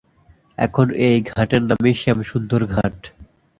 এখন এই ঘাটের নামই শ্যামসুন্দর ঘাট।